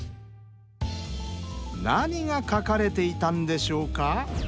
何が書かれていたんでしょうか？